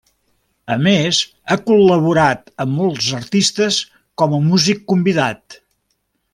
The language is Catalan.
A més, ha col·laborat amb molts artistes com a músic convidat.